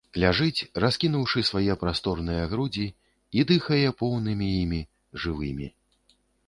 Ляжыць, раскінуўшы свае прасторныя грудзі, і дыхае поўнымі імі, жывымі.